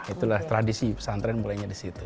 itulah tradisi pesantren mulainya disitu